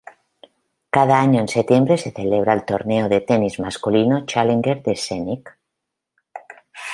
Cada año en septiembre se celebra el torneo de tenis masculino Challenger de Szczecin.